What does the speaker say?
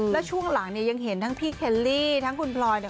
แล้วช่วงหลังเนี่ยยังเห็นทั้งพี่เคลลี่ทั้งคุณพลอยเนี่ย